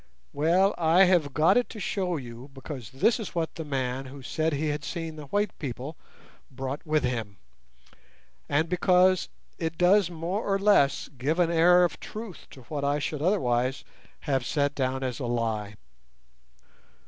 "Well, I have got it to show you, because this is what the man who said he had seen the white people brought with him, and because it does more or less give an air of truth to what I should otherwise have set down as a lie.